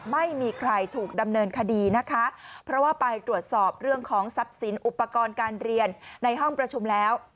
ไม่มีใครถูกดำเนินคดีนะคะเพราะว่าไปตรวจสอบเรื่องของทรัพย์สินอุปกรณ์การเรียนในห้องประชุมแล้ว